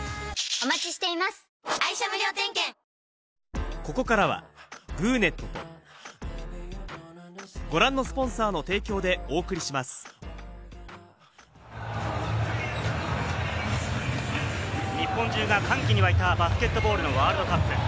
セルビアもすごい注目し日本中が歓喜に沸いたバスケットボールのワールドカップ。